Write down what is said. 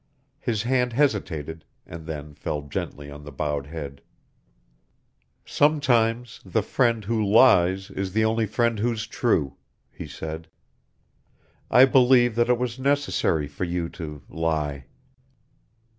His hand hesitated, and then fell gently on the bowed head. "Sometimes the friend who lies is the only friend who's true," he said. "I believe that it was necessary for you to lie."